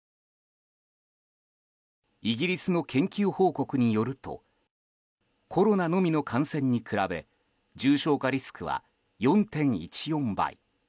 イギリスの研究報告によるとコロナのみの感染に比べ重症化リスクは４．１４倍。